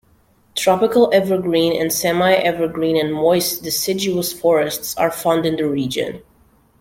Tropical evergreen and semi-evergreen and moist deciduous forests are found in the region.